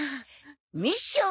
ミッション。